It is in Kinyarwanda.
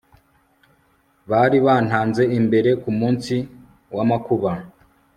bari bantanze imbere ku munsi w'amakuba